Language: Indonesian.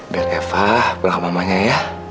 biar eva pulang ke mamanya ya